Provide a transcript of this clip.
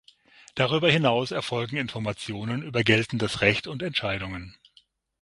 Darüber hinaus erfolgen Informationen über geltendes Recht und Entscheidungen.